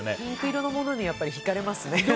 ピンク色のものに引かれますね。